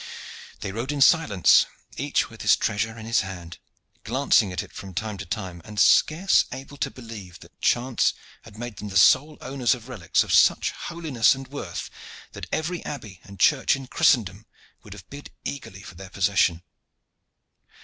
They rode in silence, each with his treasure in his hand, glancing at it from time to time, and scarce able to believe that chance had made them sole owners of relics of such holiness and worth that every abbey and church in Christendom would have bid eagerly for their possession.